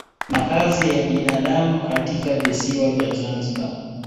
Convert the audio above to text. Makazi ya binadamu katika visiwa vya Zanzibar